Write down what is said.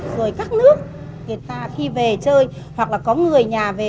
rồi các nước người ta khi về chơi hoặc là có người nhà về